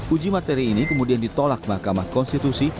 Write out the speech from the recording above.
uji materi ini kemudian ditolak mahkamah konstitusi